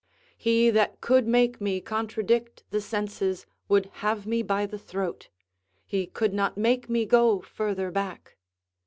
He that could make me contradict the senses, would have me by the throat; he could not make me go further back.